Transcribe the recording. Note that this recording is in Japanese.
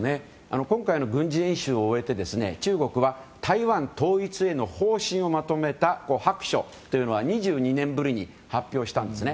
今回の軍事演習を終えて中国は台湾統一への方針をまとめた白書というのを２２年ぶりに発表したんです。